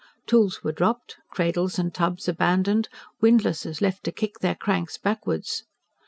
Tools were dropped, cradles and tubs abandoned, windlasses left to kick their cranks backwards.